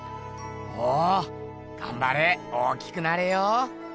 おおがんばれ大きくなれよ！